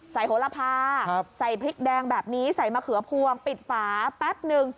โหละพาใส่พริกแดงแบบนี้ใส่มะเขือพวงปิดฝาแป๊บนึง